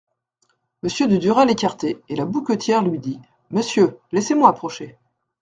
Monsieur de Duras l'écartait, et la bouquetière lui dit : «Monsieur, laissez-moi approcher.